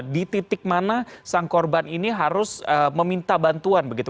di titik mana sang korban ini harus meminta bantuan begitu